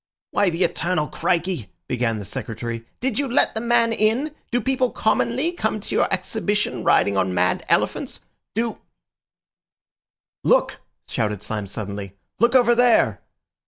"Why the eternal crikey," began the Secretary, "did you let the man in? Do people commonly come to your Exhibition riding on mad elephants? Do—" "Look!" shouted Syme suddenly. "Look over there!"